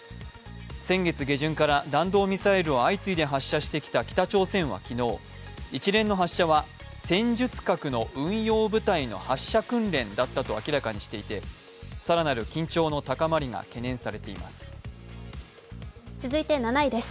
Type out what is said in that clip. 先月下旬から弾道ミサイルを相次いで発射してきた北朝鮮は昨日一連の発射は、戦術核の運用部隊の発射訓練だったと明らかにしていて更なる緊張の高まりが懸念されています。